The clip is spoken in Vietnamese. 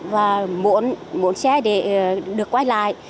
và muốn xe để được quay lại